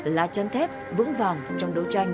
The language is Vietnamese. lá chăn thép vững vàng trong đấu tranh